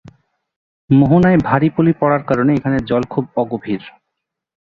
মোহনায় ভারী পলি পড়ার কারণে এখানে জল খুব অগভীর।